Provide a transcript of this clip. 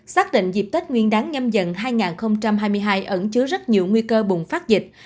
xác định dịp tết nguyên đáng nhâm dần hai nghìn hai mươi hai ẩn chứa rất nhiều nguy cơ bùng phát dịch